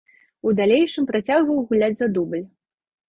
У далейшым працягваў гуляць за дубль.